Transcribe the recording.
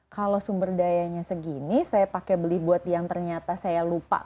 kalau sumber dayanya segini saya pakai beli buat yang ternyata saya lupa